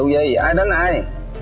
vụ gì vụ gì ai đánh ai